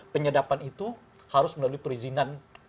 penyadapan itu harus melalui perizinan